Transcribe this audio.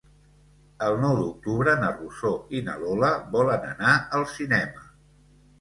El nou d'octubre na Rosó i na Lola volen anar al cinema.